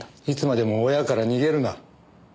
いつまでも親から逃げるな。